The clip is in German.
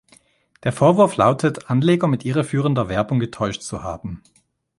Der Vorwurf lautet, Anleger mit irreführender Werbung getäuscht zu haben.